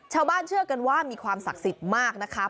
เชื่อกันว่ามีความศักดิ์สิทธิ์มากนะคะ